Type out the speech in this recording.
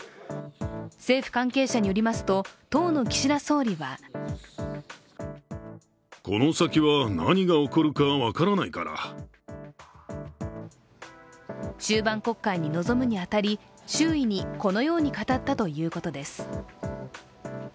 政府関係者によりますと当の岸田総理は終盤国会に臨むに当たり周囲にこのように語ったということです。